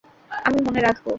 আমি মনে রাখবো!